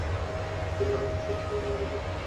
তিনি আল্লাহর শত্রু উমাইর ইবনে উসমানকে হত্যা করলেন।